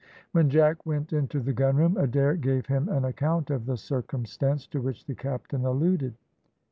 When Jack went into the gunroom, Adair gave him an account of the circumstance to which the captain alluded.